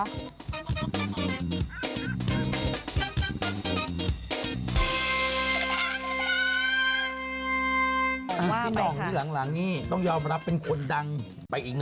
ว่าไหมค่ะพี่น้องนี่หลังนี่ต้องยอมรับเป็นคนดังไปอีก๑คน